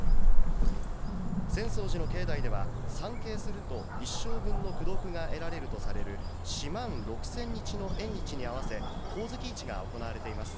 浅草寺の境内では、参詣すると、一生分の功徳が得られるとされる四万六千日の縁日に合わせ、ほおずき市が行われています。